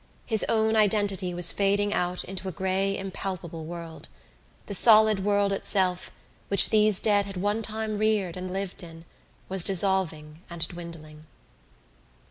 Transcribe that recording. His own identity was fading out into a grey impalpable world: the solid world itself which these dead had one time reared and lived in was dissolving and dwindling.